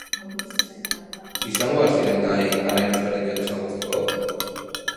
Izango al ziren gai arrain ezberdinak ezagutzeko?